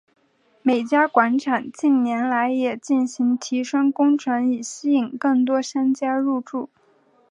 美嘉广场近年来也进行提升工程以吸引更多商家入住。